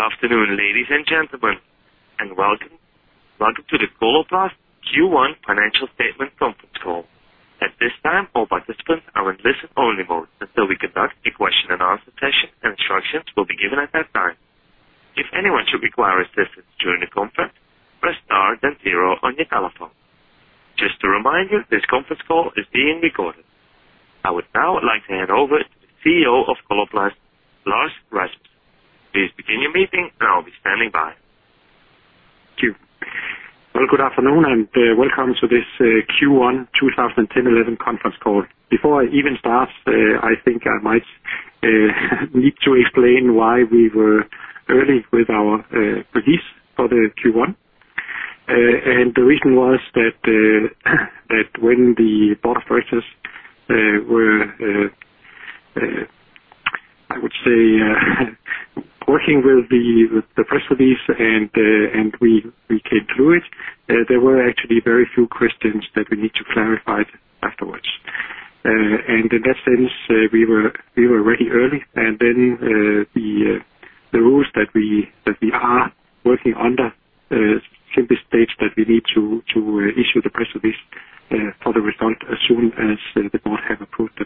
Good afternoon, ladies and gentlemen, and welcome. Welcome to the Coloplast Q1 Financial Statement Conference Call. At this time, all participants are in listen-only mode until we conduct a question and answer session, and instructions will be given at that time. If anyone should require assistance during the conference, press star then zero on your telephone. Just to remind you, this conference call is being recorded. I would now like to hand over to the CEO of Coloplast, Lars Rasmussen. Please begin your meeting and I'll be standing by. Thank you. Well, good afternoon, and welcome to this Q1 2010/11 conference call. Before I even start, I think I might need to explain why we were early with our release for the Q1. The reason was that when the board of directors were, I would say, working with the press release, and we came through it, there were actually very few questions that we need to clarify afterwards. In that sense, we were ready early, and then the rules that we are working under simply states that we need to issue the press release for the result as soon as the board have approved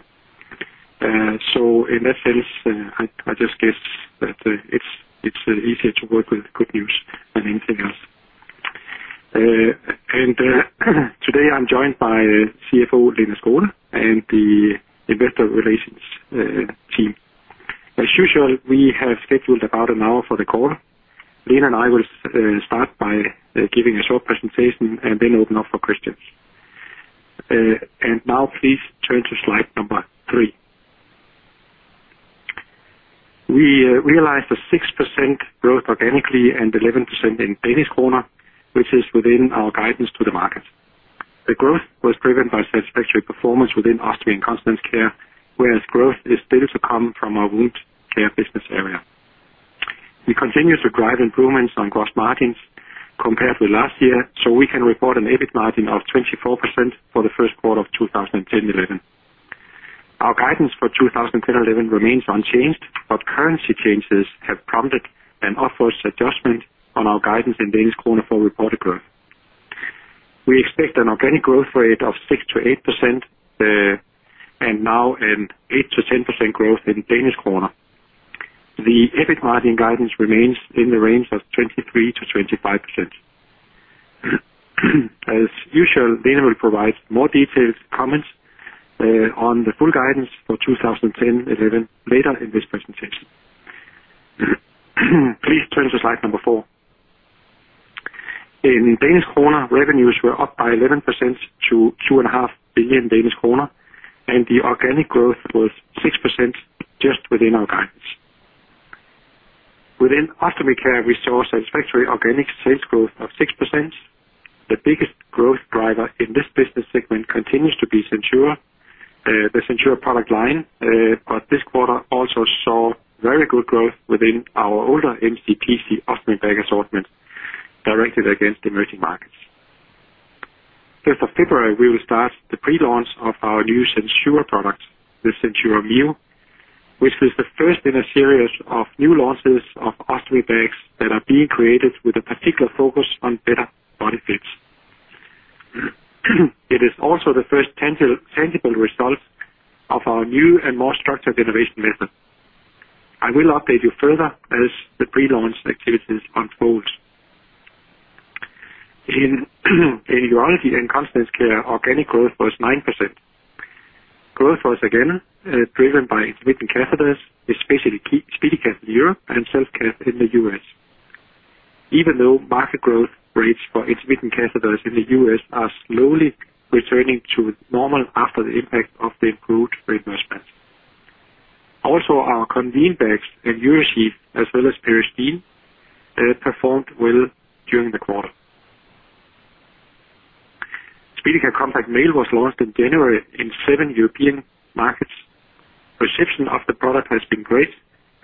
it. In that sense, I just guess that it's easier to work with good news than anything else. Today, I'm joined by CFO, Lene Skole, and the investor relations team. As usual, we have scheduled about an hour for the call. Lene and I will start by giving a short presentation and then open up for questions. Now please turn to slide number 3. We realized a 6% growth organically and 11% in Danish kroner, which is within our guidance to the market. The growth was driven by satisfactory performance within Ostomy and Continence Care, whereas growth is still to come from our Wound Care business area. We continue to drive improvements on gross margins compared to last year, so we can report an EBIT margin of 24% for the first quarter of 2010/2011. Our guidance for 2010/2011 remains unchanged, currency changes have prompted an upwards adjustment on our guidance in Danish kroner for reported growth. We expect an organic growth rate of 6%-8%, and now an 8%-10% growth in Danish kroner. The EBIT margin guidance remains in the range of 23%-25%. As usual, Lene will provide more detailed comments on the full guidance for 2010/2011 later in this presentation. Please turn to slide number 4. In Danish kroner, revenues were up by 11% to 2.5 billion Danish kroner, and the organic growth was 6%, just within our guidance. Within Ostomy Care, we saw a satisfactory organic sales growth of 6%. The biggest growth driver in this business segment continues to be SenSura, the SenSura product line, but this quarter also saw very good growth within our older MCPC ostomy bag assortment, directed against emerging markets. 5th of February, we will start the pre-launch of our new SenSura product, the SenSura Mio, which is the first in a series of new launches of ostomy bags that are being created with a particular focus on better body fits. It is also the first tangible result of our new and more structured innovation method. I will update you further as the pre-launch activities unfolds. In Urology and Continence Care, organic growth was 9%. Growth was again, driven by intermittent catheters, especially SpeediCath in Europe and Self-Cath in the U.S. Even though market growth rates for intermittent catheters in the U.S. are slowly returning to normal after the impact of the improved reimbursement. Our Conveen bags and UriSheath, as well as Peristeen, performed well during the quarter. SpeediCath Compact Male was launched in January in seven European markets. Perception of the product has been great.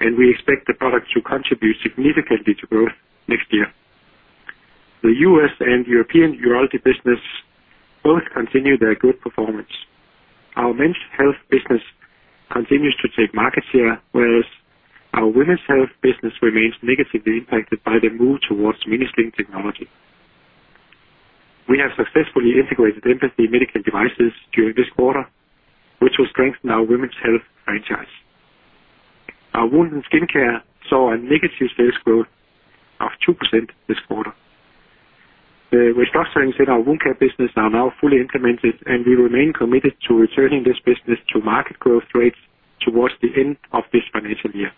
We expect the product to contribute significantly to growth next year. The U.S. and European urology business both continue their good performance. Our men's health business continues to take market share, whereas our women's health business remains negatively impacted by the move towards mini-sling technology. We have successfully integrated Mpathy Medical Devices during this quarter, which will strengthen our women's health franchise. Our Wound and Skin Care saw a negative sales growth of 2% this quarter. Restructurings in our Wound Care business are now fully implemented, and we remain committed to returning this business to market growth rates towards the end of this financial year.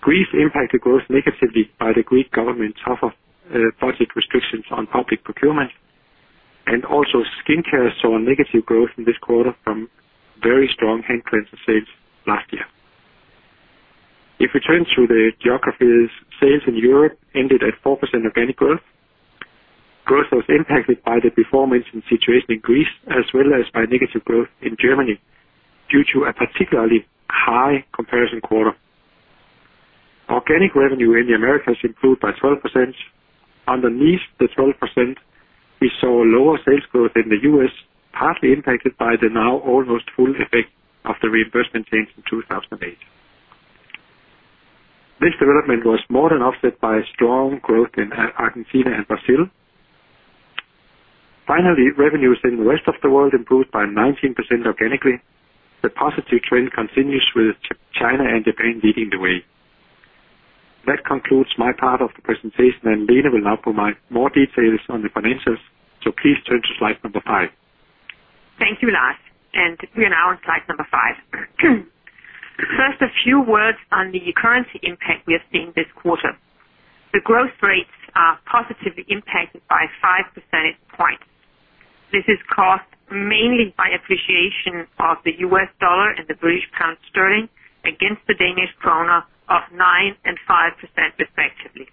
Greece impacted growth negatively by the Greek government's tougher budget restrictions on public procurement, and also Skin Care saw a negative growth in this quarter from very strong hand cleanser sales last year. If we turn to the geographies, sales in Europe ended at 4% organic growth. Growth was impacted by the performance and situation in Greece, as well as by negative growth in Germany, due to a particularly high comparison quarter. Organic revenue in the Americas improved by 12%. Underneath the 12%, we saw lower sales growth in the US, partly impacted by the now almost full effect of the reimbursement change in 2008. This development was more than offset by strong growth in Argentina and Brazil. Finally, revenues in the rest of the world improved by 19% organically. The positive trend continues with China and Japan leading the way. That concludes my part of the presentation, and Lene will now provide more details on the financials. Please turn to slide number 5. Thank you, Lars. We are now on slide number 5. First, a few words on the currency impact we are seeing this quarter. The growth rates are positively impacted by 5 percentage points. This is caused mainly by appreciation of the US dollar and the British pound sterling against the Danish kroner of 9% and 5% respectively.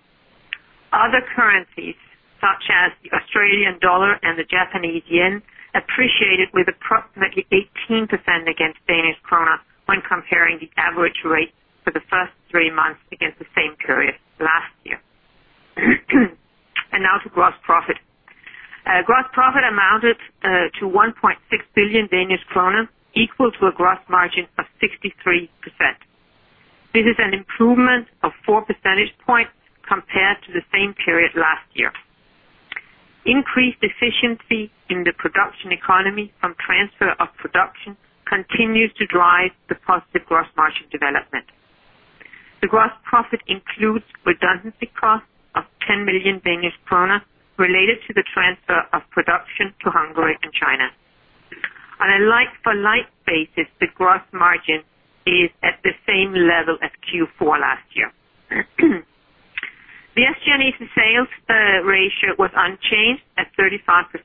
Other currencies, such as the Australian dollar and the Japanese yen, appreciated with approximately 18% against Danish kroner when comparing the average rate for the first three months against the same period last year. Now to gross profit. Gross profit amounted to 1.6 billion Danish kroner, equal to a gross margin of 63%. This is an improvement of 4 percentage points compared to the same period last year. Increased efficiency in the production economy from transfer of production continues to drive the positive gross margin development. The gross profit includes redundancy costs of 10 million Danish krone related to the transfer of production to Hungary and China. On a like-for-like basis, the gross margin is at the same level as Q4 last year. The SG&A sales ratio was unchanged at 35%.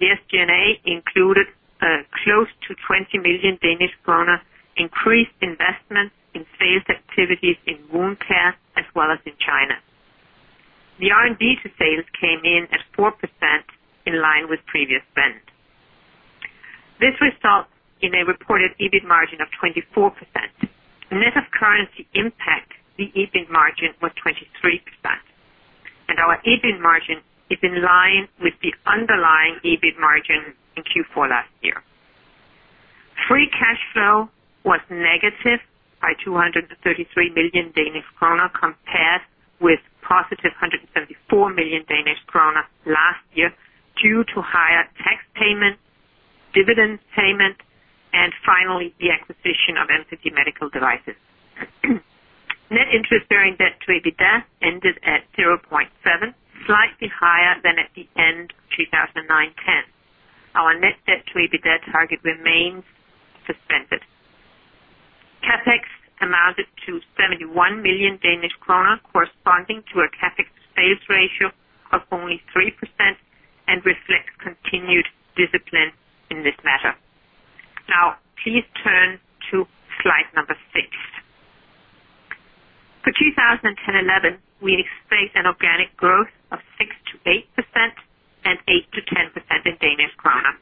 The SG&A included close to 20 million Danish kroner, increased investment in sales activities in Wound Care, as well as in China. The R&D to sales came in at 4% in line with previous spend. This results in a reported EBIT margin of 24%. Net of currency impact, the EBIT margin was 23%, and our EBIT margin is in line with the underlying EBIT margin in Q4 last year. Free cash flow was negative by 233 million Danish kroner, compared with positive 174 million Danish kroner last year, due to higher tax payments, dividend payment, and finally, the acquisition of Mpathy Medical Devices. Net interest-bearing debt to EBITDA ended at 0.7, slightly higher than at the end of 2009/2010. Our net debt to EBITDA target remains suspended. CapEx amounted to 71 million Danish kroner, corresponding to a CapEx sales ratio of only 3% and reflects continued discipline in this matter. Now, please turn to slide 6. For 2010/2011, we expect an organic growth of 6%-8% and 8%-10% in Danish kroner.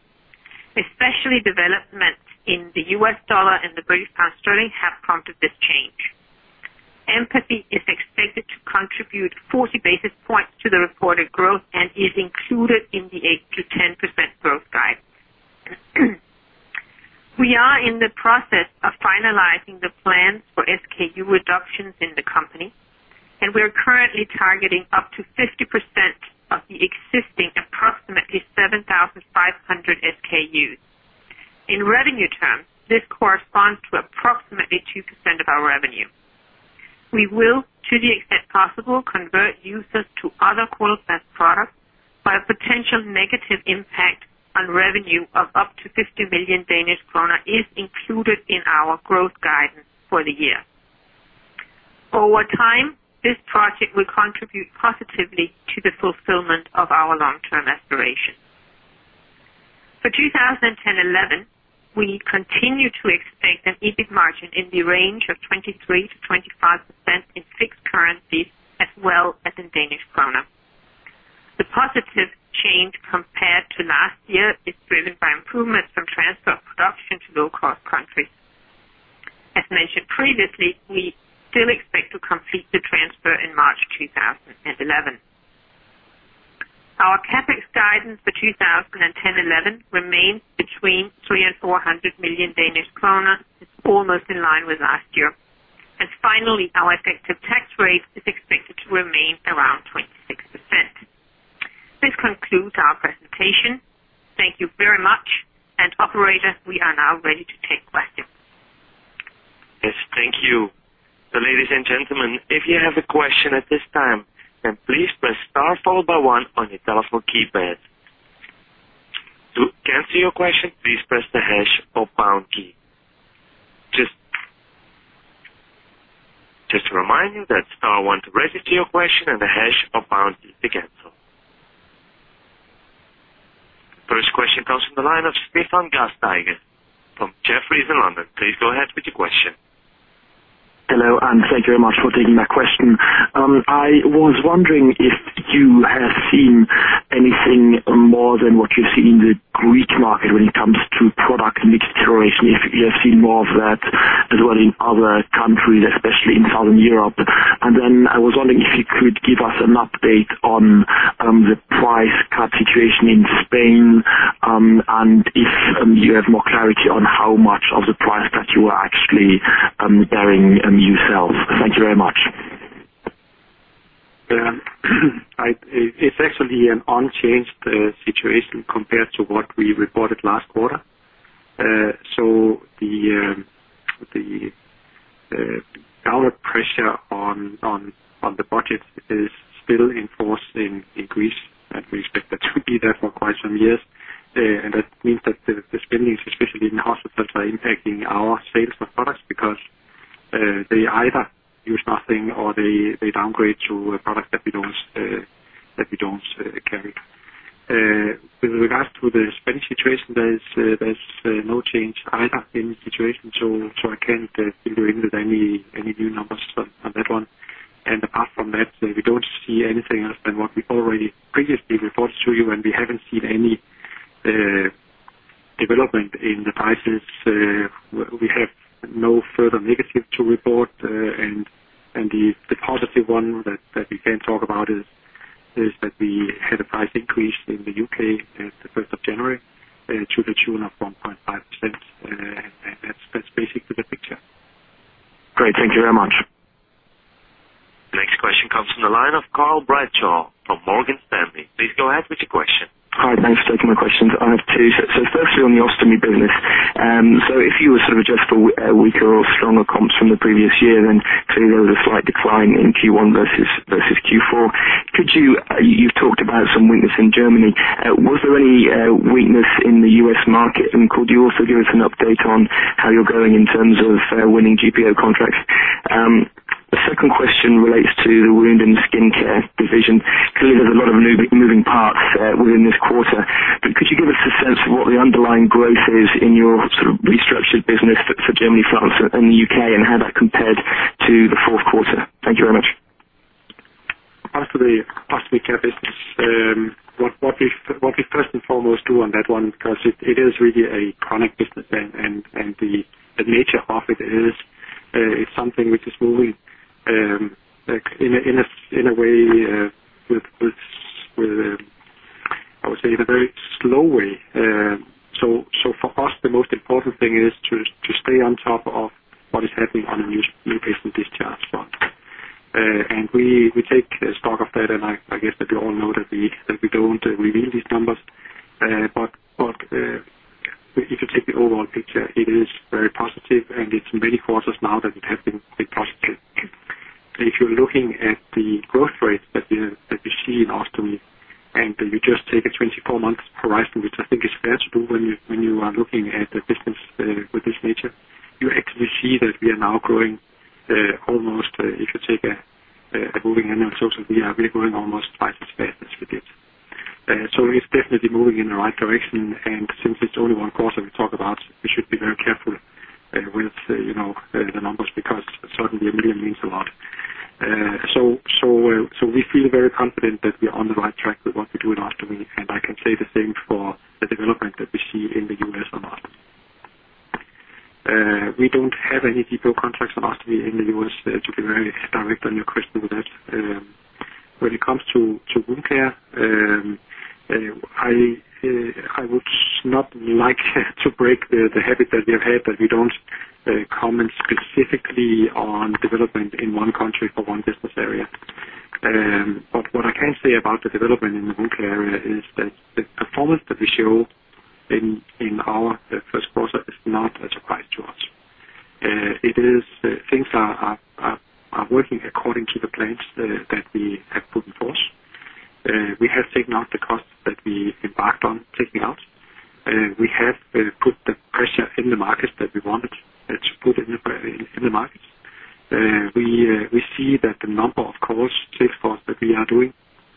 Especially developments in the US dollar and the British pound sterling have prompted this change. Mpathy is expected to contribute 40 basis points to the reported growth and is included in the 8%-10% growth guidance. We are in the process of finalizing the plan for SKU reductions in the company. We are currently targeting up to 50% of the existing approximately 7,500 SKUs. In revenue terms, this corresponds to approximately 2% of our revenue. We will, to the extent possible, convert users to other Coloplast products. A potential negative impact on revenue of up to 50 million Danish kroner is included in our growth guidance for the year. Over time, this project will contribute positively to the fulfillment of our long-term aspirations. For 2010/2011, we continue to expect an EBIT margin in the range of 23%-25% in fixed currency as well as in Danish kroner. The positive change compared to last year is driven by improvements from transfer of production to low-cost countries. As mentioned previously, we still expect to complete the transfer in March 2011. Our CapEx guidance for 2010/2011 remains between 300 million and 400 million Danish kroner. It's almost in line with last year. Finally, our effective tax rate is expected to remain around 26%. This concludes our presentation. Thank you very much. Operator, we are now ready to take questions. Yes, thank you. Ladies and gentlemen, if you have a question at this time, please press star followed by one on your telephone keypad. To cancel your question, please press the hash or pound key. Just to remind you that star one to register your question and the hash or pound key to cancel. First question comes from the line of Stefan Gatzke from Jefferies in London. Please go ahead with your question. Hello, thank you very much for taking my question. I was wondering if you have seen anything more than what you see in the Greek market when it comes to product mix curation, if you have seen more of that as well in other countries, especially in Southern Europe. I was wondering if you could give us an update on the price cut situation in Spain, and if you have more clarity on how much of the price cut you are actually bearing yourself. Thank you very much. It's actually an unchanged situation compared to what we reported last quarter. The downward pressure on the budget is still in force in Greece, and we expect that to be there for quite some years. That means that the spendings, especially in hospitals, are impacting our sales of products because they either use nothing or they downgrade to a product that we don't that we don't carry. With regards to the Spanish situation, there's no change either in the situation, so I can't fill you in with any new numbers on that one. Apart from that, we don't see anything else than what we already previously reported to you, and we haven't seen any development in the prices. We have no further negative to report, and the positive one that we can talk about is that we had a price increase in the U.K. at the first of January, to the tune of 1.5%. That's basically the picture. Great. Thank you very much. Next question comes from the line of Charles Bradshaw from Morgan Stanley. Please go ahead with your question. Hi, thanks for taking my questions. I have two. Firstly, on the Ostomy, if you were sort of adjust for a weaker or stronger comps from the previous year, then clearly there was a slight decline in Q1 versus Q4. Could you've talked about some weakness in Germany, was there any weakness in the US market? Could you also give us an update on how you're going in terms of winning GPO contracts? The second question relates to the Wound and skincare division. Clearly, there's a lot of moving parts within this quarter, but could you give us a sense of what the underlying growth is in your sort of restructured business for Germany, France, and the UK, and how that compared to the fourth quarter? Thank you very much. As for the Ostomy Care business, what we first and foremost do on that one, because it is really a chronic business and the nature of it is, it's something which is moving like in a way with I would say in a very slow way. For us, the most important thing is to stay on top of what is happening on a new patient discharge part. We take stock of that, and I guess that you all know that we don't reveal these numbers. If you take the overall picture, it is very positive, and it's many quarters now that it has been positive. If you're looking at the growth rate that we see in Ostomy, and you just take a 24 month horizon, which I think is fair to do when you are looking at a business with this nature, you actually see that we are now growing almost, if you take a moving annual total, we are growing almost twice as fast as we did. It's definitely moving in the right direction, and since it's only one quarter we talk about, we should be very careful with, you know, the numbers, because certainly a million means a lot. We feel very confident that we are on the right track with what we do in Ostomy, and I can say the same for the development that we see in the U.S. a lot. We don't have any GPO contracts on Ostomy in the U.S., to be very direct on your question with that. When it comes to Wound Care, I would not like to break the habit that we have had, that we don't comment specifically on development in one country for one business area. What I can say about the development in the Wound Care area is that the performance that we show in our first quarter is not a surprise to us. Things are working according to the plans that we have put in force. We have taken out the costs that we embarked on taking out, we have put the pressure in the market that we wanted to put in the market. We see that the number of calls, sales calls that we are doing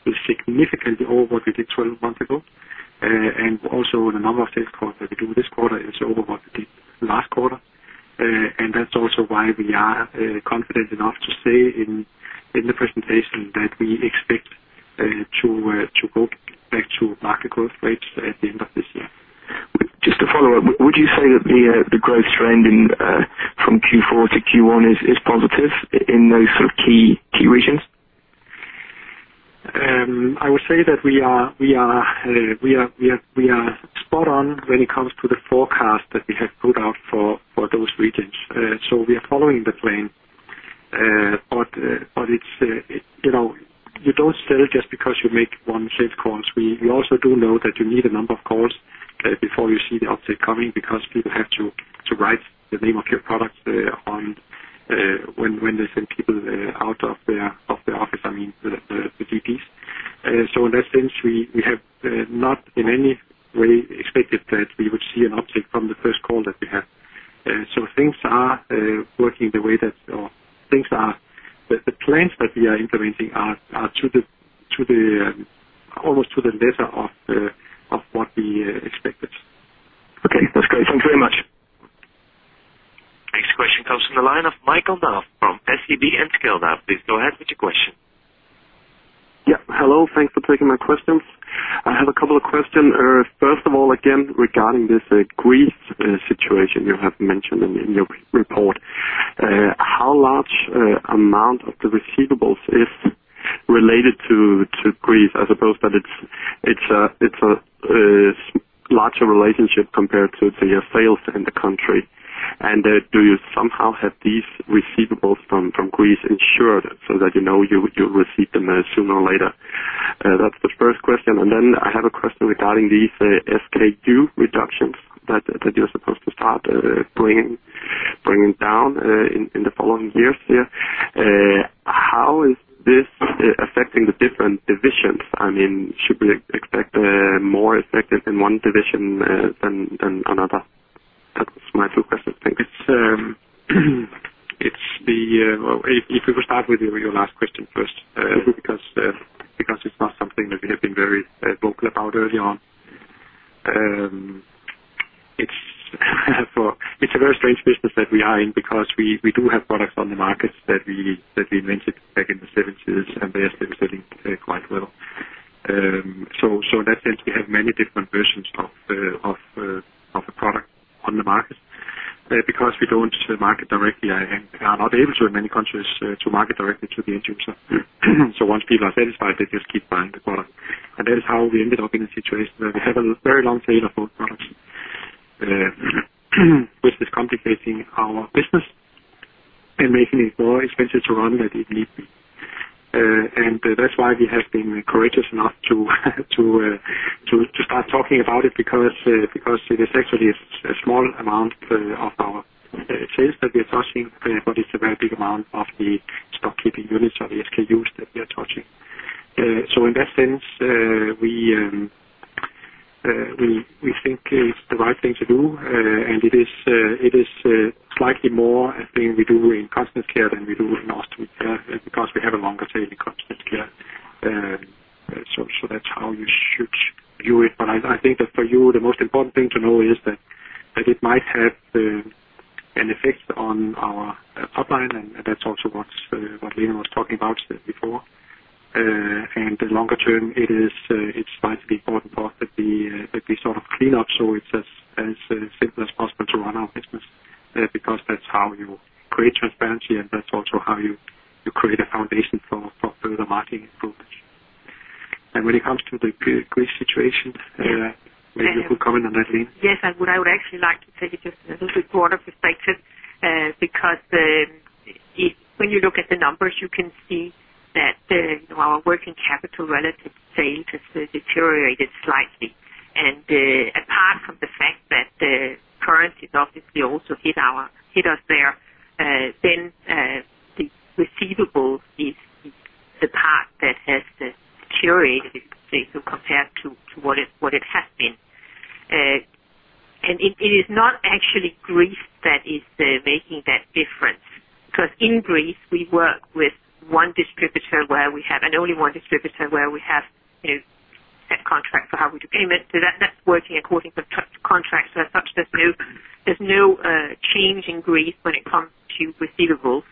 is significantly over what we did 12 months ago. Also the number of sales calls that we do this quarter is over what we did last quarter. That's also why we are confident enough to say in the presentation that we expect to go back to market growth rates at the end of this year. Just to follow up, would you say that the growth trend in from Q4 to Q1 is positive in those sort of key regions? I would say that we are spot on when it comes to the forecast that we have put out for those regions. We are following the plan. But it's, you know, you don't sell just because you make one sales calls. We also do know that you need a number of calls before you see the uptick coming, because people have to write the name of your product on when they send people out of their office, I mean, the GPs. In that sense, we have not in any way expected that we would see an uptick from the first call that we have. Things are working the way that. The plans that we are implementing are to the, almost to the letter of what we expected. Okay, that's great. Thank you very much. Michael Duff from SEB Enskilda, please go ahead with your question. Yeah, hello. Thanks for taking my questions. I have a couple of questions. First of all, again, regarding this Greece situation you have mentioned in your report. How large amount of the receivables is related to Greece? I suppose that it's a larger relationship compared to, say, your sales in the country. Do you somehow have these receivables from Greece insured so that you know you'll receive them sooner or later? That's the first question. I have a question regarding these SKU reductions that you're supposed to start bringing down in the following years here. How is this affecting the different divisions? I mean, should we expect more effect in one division than another? That's my two questions, thanks. It's the, if we will start with your last question first, because it's not something that we have been very vocal about early on. It's a very strange business that we are in, because we do have products on the market that we invented back in the seventies, and they are still selling quite well. So in that sense, we have many different versions of the, of a product on the market. Because we don't market directly and are not able to, in many countries, to market directly to the end user. Once people are satisfied, they just keep buying the product. That is how we ended up in a situation where we have a very long tail of old products, which is complicating our business and making it more expensive to run than it need be. That's why we have been courageous enough to start talking about it, because it is actually a small amount of our sales that we are touching, but it's a very big amount of the stock keeping units, or the SKUs that we are touching. In that sense, we think it's the right thing to do, and it is slightly more a thing we do in Continence Care than we do in Ostomy, because we have a longer tail in Continence Care. That's how you should view it, but I think that for you, the most important thing to know is that it might have an effect on our top line, and that's also what Lene was talking about before. The longer term, it is, it's likely important part that we that we sort of clean up, so it's as simple as possible to run our business, because that's how you create transparency, and that's also how you create a foundation for further margin improvements. When it comes to the Greece situation, maybe you could comment on that, Lene? l'd like to take it just a little bit broader perspective, because when you look at the numbers, you can see that our working capital relative sales has deteriorated slightly. And apart from the fact that the currencies obviously also hit us there, then the receivable is the part that has deteriorated, if you compare to what it has been. And it is not actually Greece that is making that difference, because in Greece, we work with one distributor where we have, and only one distributor, where we have a set contract for how we do payment. So that is working according to contracts as such, there is no change in Greece when it comes to receivables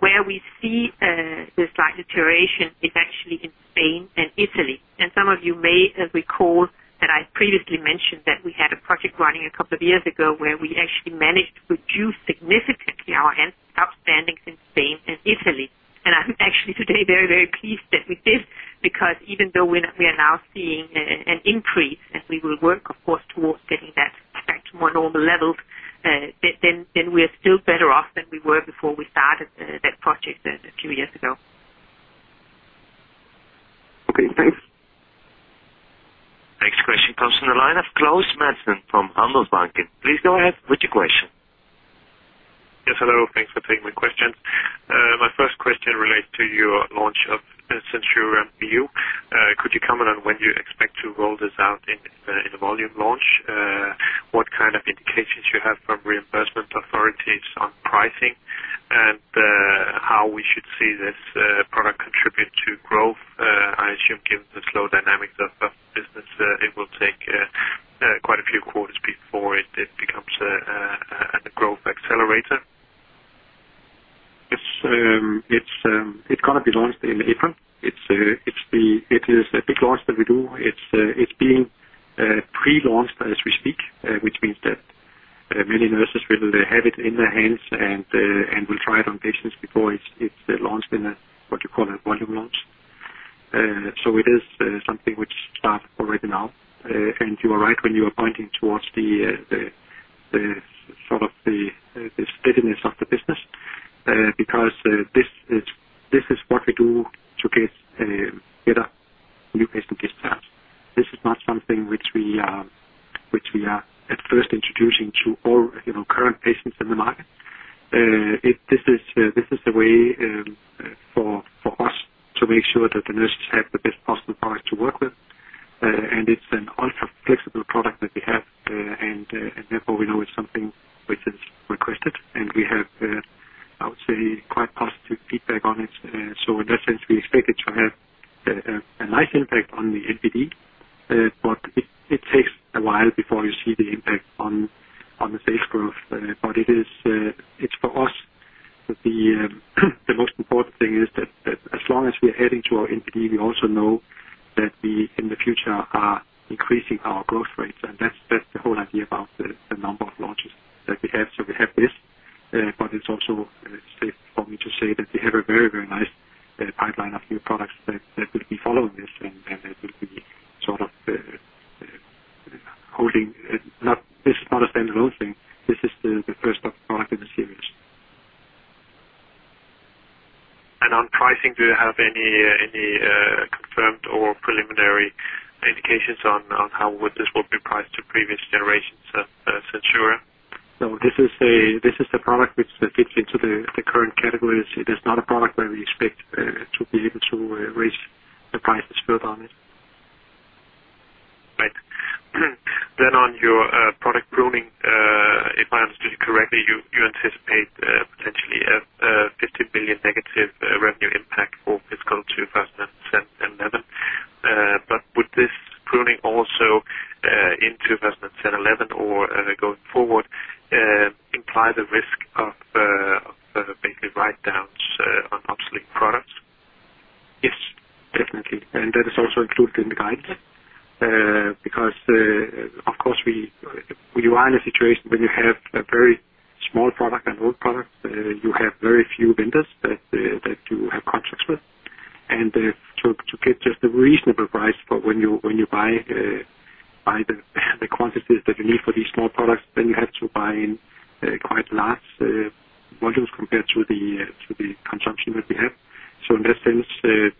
Where we see, the slight deterioration is actually in Spain and Italy. Some of you may recall that I previously mentioned that we had a project running a couple of years ago, where we actually managed to reduce significantly our outstandings in Spain and Italy. I'm actually today very, very pleased that we did, because even though we are now seeing an increase, and we will work, of course, towards getting that back to more normal levels, then we are still better off than we were before we started that project a few years ago. Okay, thanks. Next question comes from the line of Claus Madsen from Handelsbanken. Please go ahead with your question. Yes, hello, thanks for taking my questions. My first question relates to your launch of SenSura Mio. Could you comment on when you expect to roll this out in the volume launch? What kind of indications you have from reimbursement authorities on pricing? How we should see this product contribute to growth, I assume given the slow dynamics of business, it will take quite a few quarters before it becomes a growth accelerator. It's gonna be launched in April. It is a big launch that we do. It's being pre-launched as we speak, which means that many nurses will have it in their hands and will try it on patients before it's launched in a, what you call a volume launch. It is something which starts already now. You are right when you are pointing towards the sort of the steadiness of the business, because this is what we do to get better new patient discharge. This is not something which we are at first introducing to all, you know, current patients in the market. This is a way for us to make sure that the nurses have the best possible product to work with, and it's an ultra-flexible product that we have, and therefore, we know it's something which is requested, and we have, I would say, quite positive feedback on it. In that sense, we expect it to have a nice impact on the NPD. It takes a while before you see the impact on the sales growth. It is, it's for us, the most important thing is that as long as we are heading to our NPD, we also know that we, in the future, are increasing our growth rates. That's the whole idea about the number of launches that we have. We have this, but it's also safe for me to say that we have a very, very nice pipeline of new products that will be following this, and that will be sort of holding. This is not a standalone thing. This is the first of product in the series. On pricing, do you have any confirmed or preliminary indications on how would this will be priced to previous generations of SenSura? No, this is a product which fits into the current categories. It is not a product where we expect to be able to raise the prices built on it. Right. On your product pruning, if I understood you correctly, you anticipate potentially a 50 billion negative revenue impact for fiscal 2010, 2011. Would this pruning also in 2010, 2011, or going forward, imply the risk of maybe write-downs on obsolete products? Yes, definitely, and that is also included in the guidance. Because, of course, we are in a situation when you have a very small product and old product, you have very few vendors that you have contracts with. To get just a reasonable price for when you buy the quantities that you need for these small products, then you have to buy in quite large volumes compared to the consumption that we have. In that sense,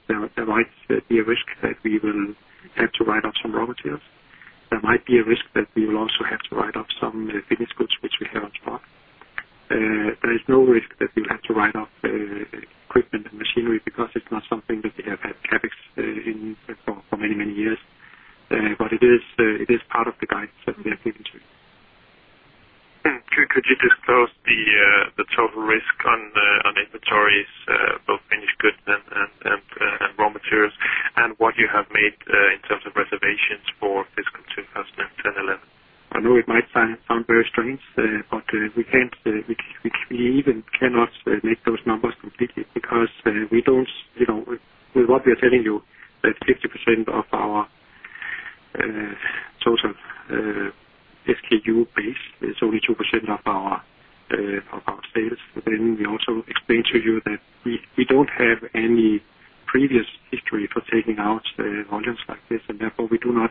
there might be a risk that we will have to write off some raw materials. There might be a risk that we will also have to write off some finished goods, which we have on stock. There is no risk that we'll have to write off, equipment and machinery, because it's not something that we have had CapEx in for many, many years. It is, it is part of the guidance that we have given to you. Could you disclose the total risk on inventories, both finished goods and raw materials, and what you have made in terms of reservations for fiscal 2010, 2011? I know it might sound very strange, we can't, we even cannot make those numbers completely because we don't. You know, with what we are telling you, that 50% of our total SKU base is only 2% of our of our sales. We also explained to you that we don't have any previous history for taking out volumes like this, therefore, we are not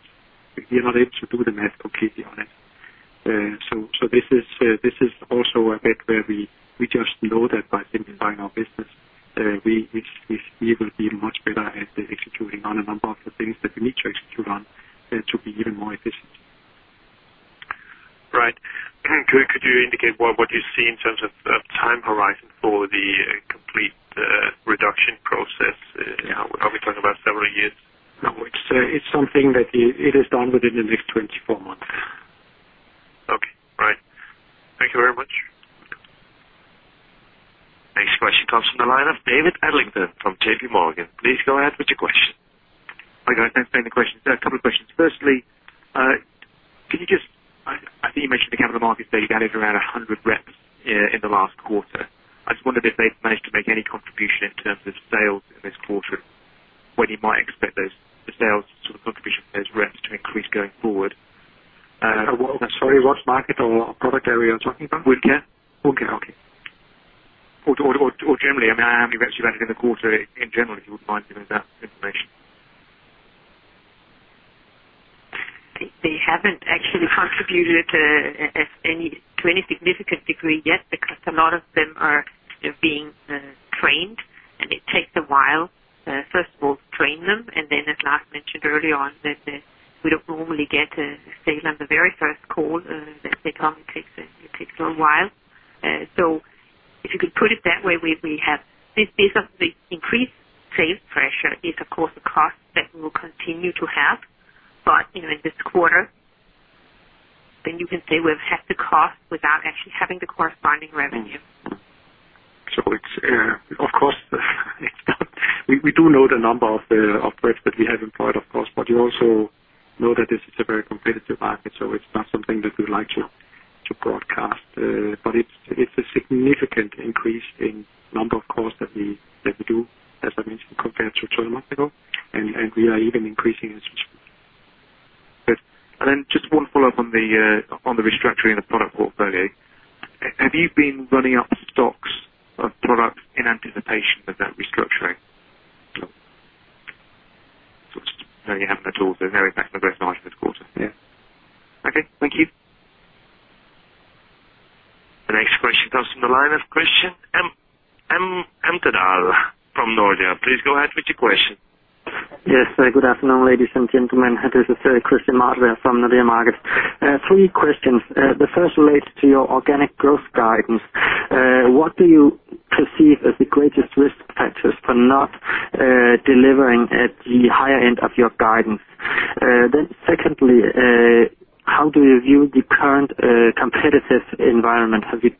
able to do the math completely on it. This is also a bit where we just know that by simplifying our business, we will be much better at executing on a number of the things that we need to execute on to be even more efficient. Right. Could you indicate what you see in terms of time horizon for the complete reduction process? Yeah. Are we talking about several years? No, it's something that it is done within the next 24 months. Okay, right. Thank you very much. Next question comes from the line of David Adlington from JPMorgan. Please go ahead with your question. Hi, guys. Thanks for taking the question. A couple of questions. Firstly, I think you mentioned the capital markets that you added around 100 reps in the last quarter. I just wondered if they've managed to make any contribution in terms of sales in this quarter, when you might expect those, the sales sort of contribution of those reps to increase going forward? Well, sorry, what market or product area are you talking about? Wound Care. Wound Care, okay. Generally, I mean, how many reps you added in the quarter in general, if you wouldn't mind giving that information? They haven't actually contributed as any, to any significant degree yet, because a lot of them are being trained, and it takes a while, first of all, to train them. Then, as Lars mentioned earlier on, that we don't normally get a sale on the very first call that they come. It takes a little while. If you could put it that way, we have, this of the increased sales pressure is, of course, a cost that we will continue to have, but, you know, in this quarter, then you can say we've had the cost without actually having the corresponding revenue. It's, of course, we do know the number of reps that we have employed, of course, but you also know that this is a very competitive market, so it's not something that we like to broadcast. It's a significant increase in number of calls that we do, as I mentioned, compared to two months ago, and we are even increasing it. Good. Just one follow-up on the restructuring of the product portfolio. Have you been running up stocks of products in anticipation of that restructuring? No. You haven't at all? Very back to growth in this quarter. Yeah. Okay, thank you. The next question comes from the line of Christian Amdahl from Nordea. Please go ahead with your question. Yes. Good afternoon, ladies and gentlemen. This is Christian Amdahl from Nordea Markets. Three questions. The first relates to your organic growth guidance. What do you perceive as the greatest risk factors for not delivering at the higher end of your guidance? Secondly, how do you view the current competitive environment? Have you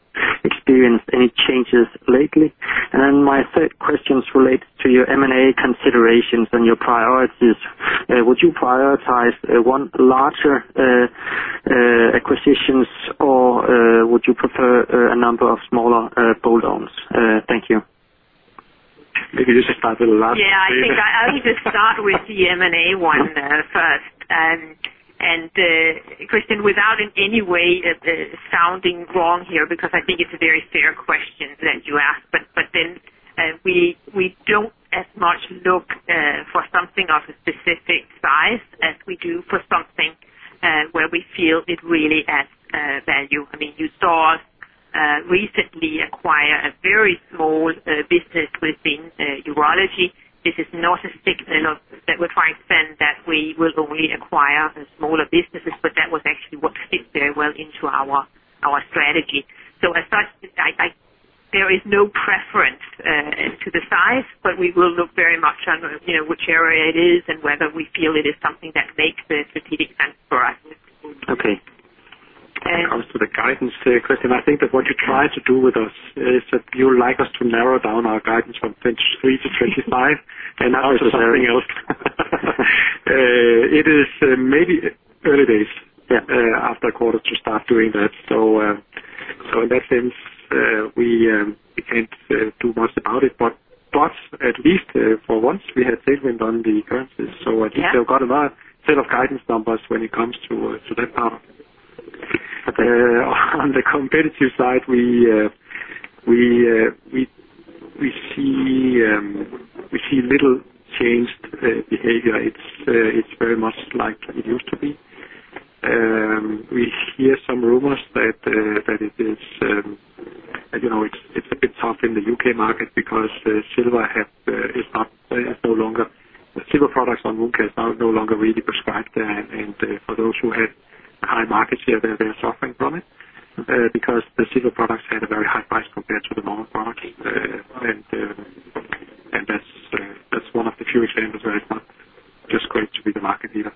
experienced any changes lately? My third question is related to your M&A considerations and your priorities. Would you prioritize one larger acquisitions or would you prefer a number of smaller add-ons? Thank you. Maybe you should start with the last one. Yeah, I think I will just start with the M&A one first. Christian, without in any way sounding wrong here, because I think it's a very fair question that you ask, then we don't as much look for something of a specific size as we do for something where we feel it really adds value. I mean, you saw us recently acquire a very small business within urology. This is not a signal that we're trying to send, that we will only acquire the smaller businesses, that was actually what fit very well into our strategy. As such, there is no preference as to the size, but we will look very much on, you know, which area it is and whether we feel it is something that makes a strategic sense for us. Okay. And- When it comes to the guidance, Christian, I think that what you try to do with us is that you would like us to narrow down our guidance from 23 to 25, also something else. It is maybe early days after a quarter to start doing that. In that sense, we can't do much about it, but at least for once we had statement on the currencies. Yeah. I think they've got a lot set of guidance numbers when it comes to that part. On the competitive side, we see little changed behavior. It's very much like it used to be. We hear some rumors that it is, you know, it's a bit tough in the U.K. market because Silver products on Wound Care is now no longer really prescribed. For those who had high market share, they're suffering from it because the Silver products had a very high price compared to the normal products. That's one of the few examples where it's not just great to be the market leader.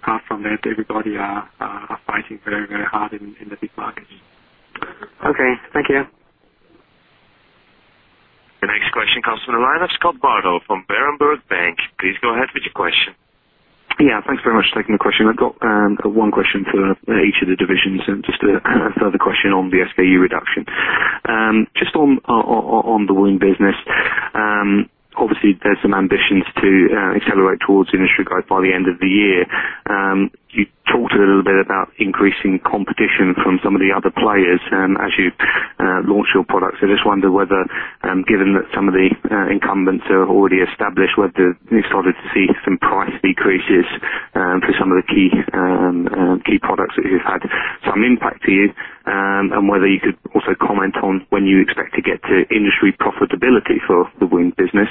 Apart from that, everybody are fighting very hard in the big markets. Okay, thank you. The next question comes from the line of Scott Bardo from Berenberg Bank. Please go ahead with your question. Thanks very much for taking the question. I've got one question for each of the divisions and just a further question on the SKU reduction. Just on the wound business. Obviously there's some ambitions to accelerate towards industry growth by the end of the year. You talked a little bit about increasing competition from some of the other players as you launch your products. I just wonder whether, given that some of the incumbents are already established, whether you started to see some price decreases for some of the key products that you've had some impact to you, and whether you could also comment on when you expect to get to industry profitability for the wound business.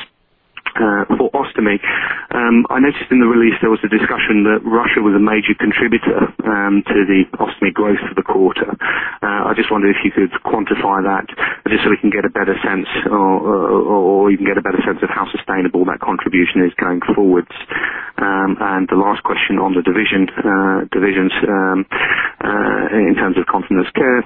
For Ostomy, I noticed in the release there was a discussion that Russia was a major contributor to the Ostomy growth for the quarter. I just wondered if you could quantify that, just so we can get a better sense or you can get a better sense of how sustainable that contribution is going forwards. The last question on the division, divisions, in terms of Continence Care.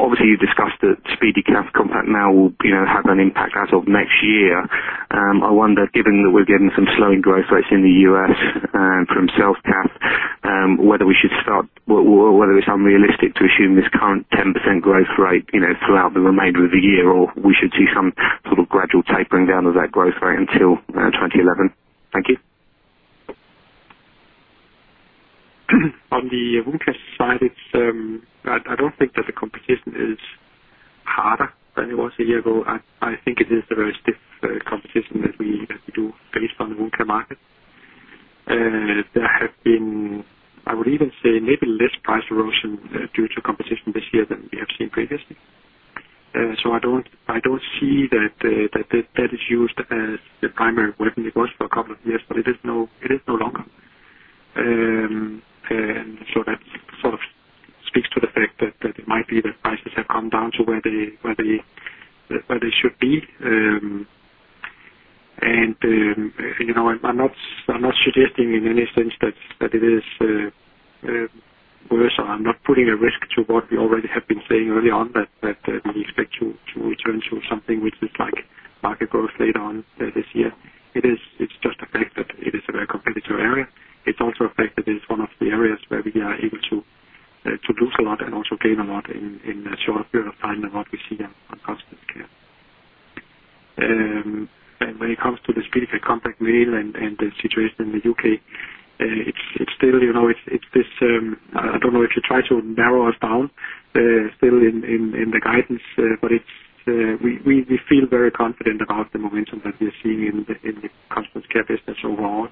Obviously you've discussed the SpeediCath Compact now will, you know, have an impact as of next year. I wonder, given that we're getting some slowing growth rates in the U.S., from Self-Cath, whether we should start, or whether it's unrealistic to assume this current 10% growth rate, you know, throughout the remainder of the year, or we should see some sort of gradual tapering down of that growth rate until 2011. Thank you. On the Wound Care side, it's I don't think that the competition is harder than it was a year ago. I think it is a very stiff competition that we do based on the Wound Care market. There have been, I would even say, maybe less price erosion due to competition this year than we have seen previously. I don't see that that is used as the primary weapon. It was for a couple of years, but it is no longer. That sort of speaks to the fact that it might be that prices have come down to where they should be. You know, I'm not suggesting in any sense that it is worse. I'm not putting a risk to what we already have been saying early on, that, we expect to return to something which is like market growth later on, this year. It is, it's just a fact that it is a very competitive area. It's also a fact that it's one of the areas where we are able to lose a lot and also gain a lot in a shorter period of time than what we see on Continence Care. When it comes to the SpeediCath Compact Male and the situation in the U.K., it's still, you know, it's this, I don't know if you try to narrow us down, still in the guidance, but it's, we feel very confident about the momentum that we're seeing in the Continence Care business overall.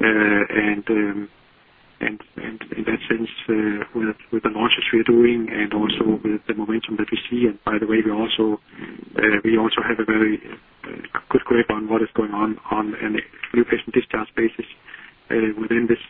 In that sense, with the launches we're doing and also with the momentum that we see, and by the way, we also have a very good grip on what is going on an new patient discharge basis within this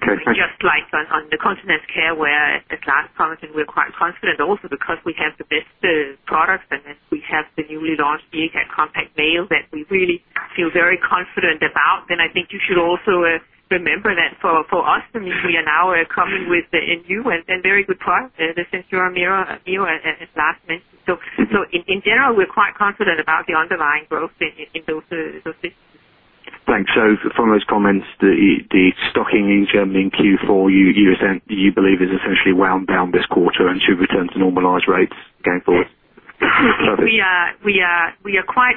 Okay, thank you. Just like on the Continence Care, where as last commented, we're quite confident also because we have the best products, and then we have the newly launched SpeediCath Compact Male that we really feel very confident about. I think you should also remember that for us, I mean, we are now coming with a new and very good product. Since you're Mio, as last mentioned. In general, we're quite confident about the underlying growth in those things. Thanks. From those comments, the stocking in Germany in Q4, you have said you believe is essentially wound down this quarter and should return to normalized rates going forward? We are quite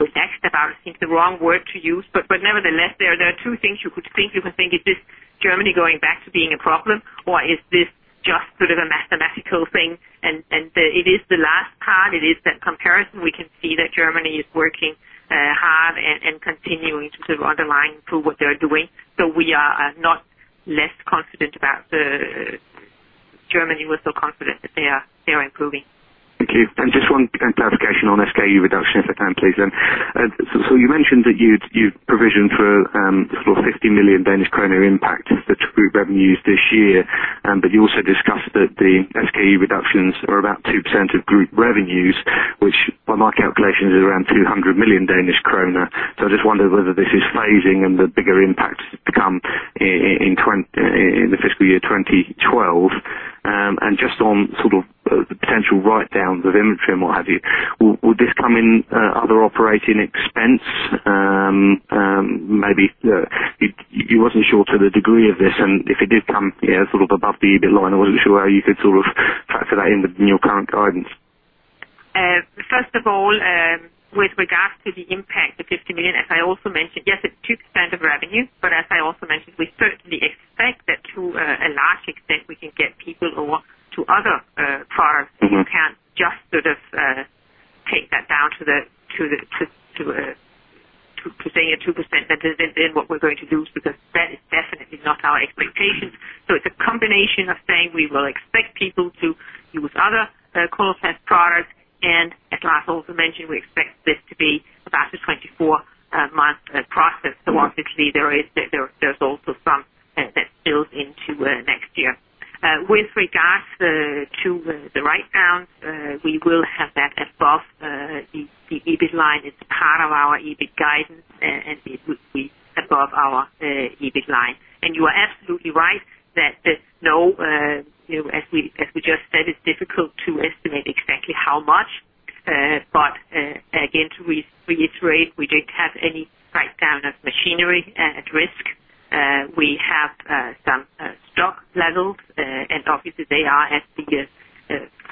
relaxed about, I think the wrong word to use, but nevertheless, there are two things you could think. You could think, is this Germany going back to being a problem, or is this just sort of a mathematical thing? It is the last part. It is that comparison. We can see that Germany is working hard and continuing to sort of underline through what they're doing. We are not less confident about Germany, we're so confident that they are improving. Thank you. Just one clarification on SKU reduction, if I can please. So, you mentioned that you'd provisioned for, sort of 60 million Danish kroner impact the group revenues this year, but you also discussed that the SKU reductions are about 2% of group revenues, which by my calculations, is around 200 million Danish kroner. I just wondered whether this is phasing and the bigger impacts to come in the fiscal year 2012. Just on sort of, the potential write-downs of inventory and what have you, will this come in, other operating expense? Maybe, you wasn't sure to the degree of this, and if it did come, yeah, sort of above the EBIT line, I wasn't sure how you could sort of factor that in with your current guidance. First of all, with regards to the impact, the 50 million, as I also mentioned, yes, it's 2% of revenue. As I also mentioned, we certainly expect that to a large extent, we can get people over to other parts. Mm-hmm. You can't just sort of, take that down to the, to say a 2%. That isn't then what we're going to do, because that is definitely not our expectation. Mm-hmm. It's a combination of saying we will expect people to use other, Coloplast products. As Lars also mentioned, we expect this to be about a 24 month process. Mm-hmm. obviously, there is, there's also some that builds into next year. With regards to the write-downs, we will have that above the EBIT line. It's part of our EBIT guidance, and it will be above our EBIT line. You are absolutely right that there's no, you know, as we just said, it's difficult to estimate exactly how much. But again, to reiterate, we didn't have any write down of machinery at risk. We have some stock levels, and obviously they are at the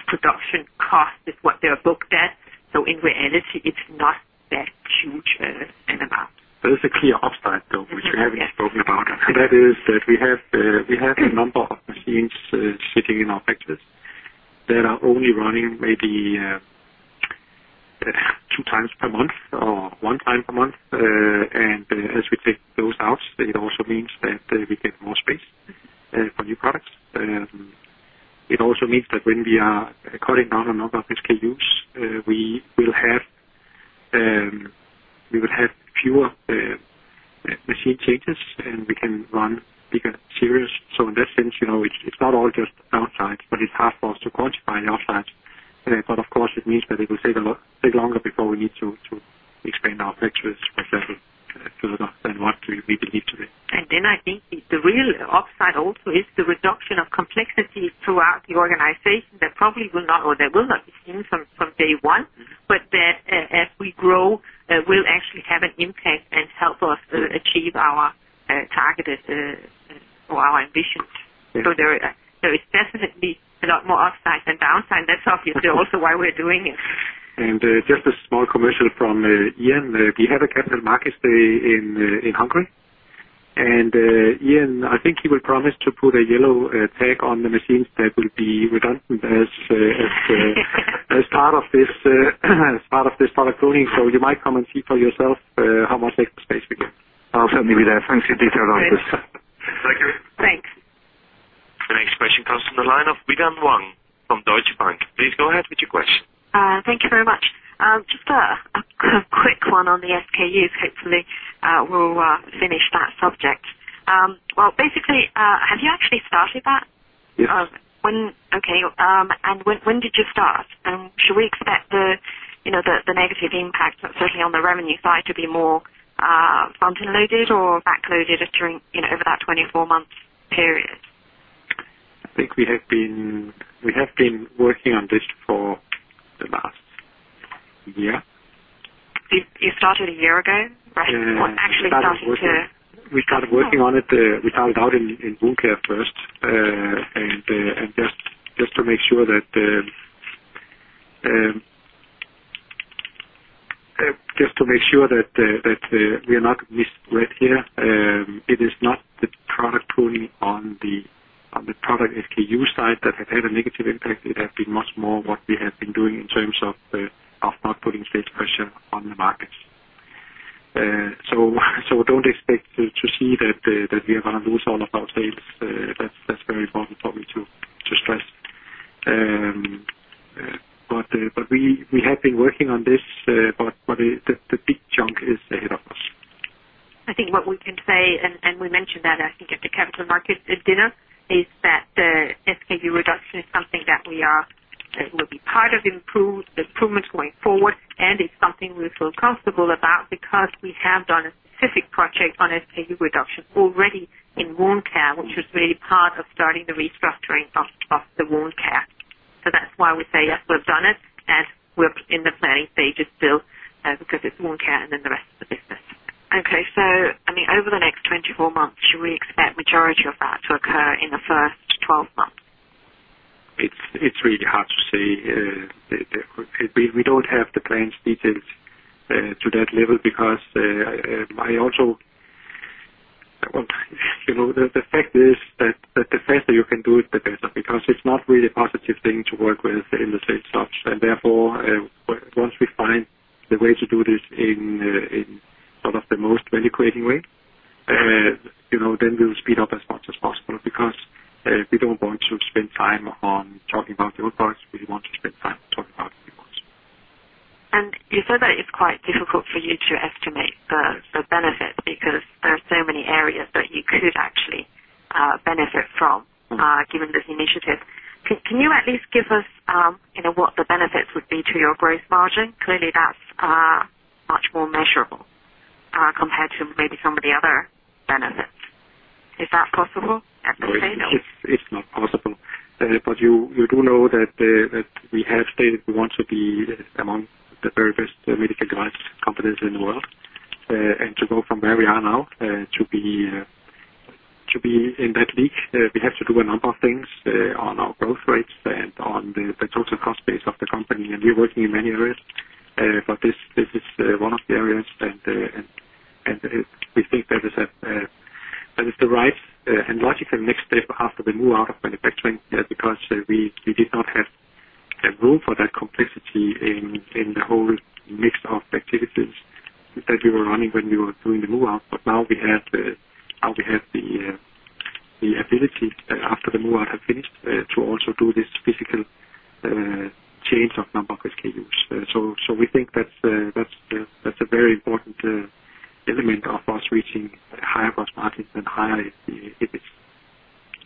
production cost is what they are booked at. In reality, it's not that huge an amount. It's a clear upside though. Mm-hmm. Which you haven't spoken about. huh. That is that we have a number of machines sitting in our factories that are only running maybe, 2 times per month or 1 time per month. As we take those out, it also means that we get more space for new products. It also means that when we are cutting down on number of SKUs, we will have fewer machine changes, and we can run bigger series. In that sense, you know, it's not all just downsides, but it's hard for us to quantify the upside. Of course, it means that it will take a lot longer before we need to expand our factories for several than what we believe today. Then I think the real upside also is the reduction of complexity throughout the organization. That probably will not, or that will not be seen from day one, but that as we grow, will actually have an impact and help us achieve our targeted goals, or our ambitions. There is definitely a lot more upside than downside. That's obviously also why we're doing it. Just a small commercial from Ian. We have a Capital Markets Day in Hungary. Ian, I think he will promise to put a yellow tag on the machines that will be redundant as part of this product pruning. You might come and see for yourself how much extra space we get. I'll certainly be there. Thanks for details on this. Thank you. Thanks. The next question comes from the line of Yi-Dan Wang from Deutsche Bank. Please go ahead with your question. Thank you very much. Just a quick one on the SKUs. Hopefully, we'll finish that subject. Well, basically, have you actually started that? Yes. Okay. When did you start? Should we expect you know, the negative impact, certainly on the revenue side, to be more front-end loaded or back-loaded during, you know, over that 24 month period? I think we have been working on this for the last year. You started a year ago? Right. Yeah. What actually started to. We started working on it, we started out in Wound Care first. Just to make sure that we are not misled here, it is not the product pruning on the product SKU side that has had a negative impact. It has been much more what we have been doing in terms of not putting sales pressure on the markets. Don't expect to see that we are going to lose all of our sales. That's very important for me to stress. We have been working on this, but the big chunk is ahead of us. I think what we can say, and we mentioned that, I think, at the capital market dinner, is that the SKU reduction is something that we are will be part of improved, the improvements going forward, and it's something we feel comfortable about because we have done a specific project on SKU reduction already in Wound Care, which was really part of starting the restructuring of the Wound Care. That's why we say, "Yes, we've done it, and we're in the planning stages still," because it's Wound Care and then the rest of the business. Okay, I mean, over the next 24 months, should we expect majority of that to occur in the first 12 months? It's really hard to say. We don't have the plans detailed to that level because, well, you know, the fact is that the faster you can do it, the better, because it's not really a positive thing to work with in the state such. Therefore, once we find the way to do this in sort of the most value-creating way, you know, then we'll speed up as much as possible, because we don't want to spend time on talking about the old parts. We want to spend time talking about the new parts. You said that it's quite difficult for you to estimate the benefits because there are so many areas that you could actually benefit from given this initiative. Can you at least give us, you know, what the benefits would be to your growth margin? Clearly, that's much more measurable compared to maybe some of the other benefits. Is that possible at this stage? It's not possible. You do know that we have stated we want to be among the very best medical device companies in the world. To go from where we are now, to be in that league, we have to do a number of things on our growth rates and on the total cost base of the company. We're working in many areas, but this is one of the areas and we think that is the right and logical next step after the move out of manufacturing, because we did not have a room for that complexity in the whole mix of activities that we were running when we were doing the move out. Now we have the ability after the move out have finished to also do this physical change of number of SKUs. We think that's a very important element of us reaching higher gross margins and higher efficiency.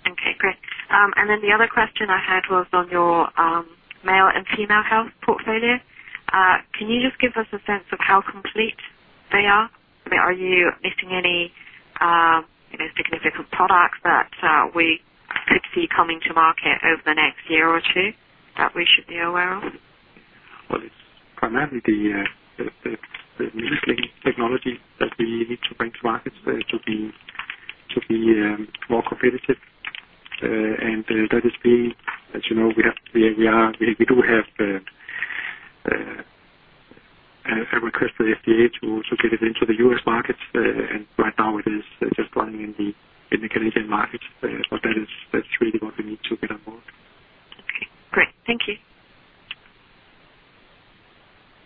Okay, great. The other question I had was on your male and female health portfolio. Can you just give us a sense of how complete they are? Are you missing any, you know, significant products that we could see coming to market over the next year or two, that we should be aware of? Well, it's primarily the new technology that we need to bring to market to be more competitive. That is being, as you know, we have, we do have a request to the FDA to also get it into the U.S. markets. Right now it is just running in the Canadian markets, but that is, that's really what we need to get on board. Okay, great. Thank you.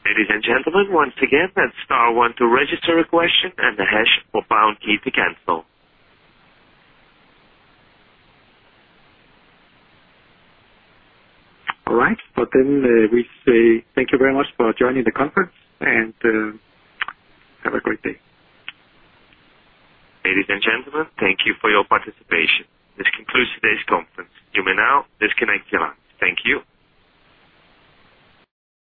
Ladies and gentlemen, once again, press star one to register a question and the hash or pound key to cancel. All right. We say thank you very much for joining the conference, and have a great day. Ladies and gentlemen, thank you for your participation. This concludes today's conference. You may now disconnect your lines. Thank you.